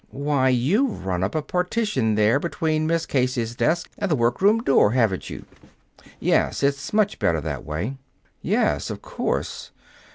"Why, you've run up a partition there between Miss Casey's desk and the workroom door, haven't you?" "Yes; it's much better that way." "Yes, of course.